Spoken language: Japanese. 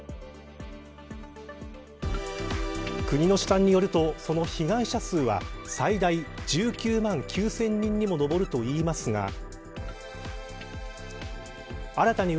国の試算によるとその被害者数は最大１９万９０００人にも上ると北海道三陸沖